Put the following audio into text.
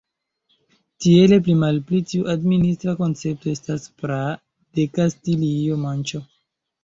Tiele pli malpli tiu administra koncepto estas praa de Kastilio-Manĉo.